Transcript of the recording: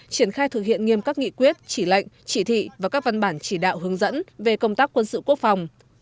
triển khai thực hiện nghiêm các nghị quyết chỉ lệnh chỉ thị và các văn bản chỉ đạo hướng dẫn về công tác quân sự quốc phòng